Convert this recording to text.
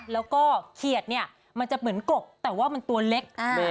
แล้วก็เขียดเนี่ยมันจะเหมือนกกแต่ว่ามันตัวเล็ก